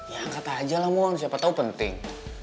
ya angkat aja lah mon siapa tau penting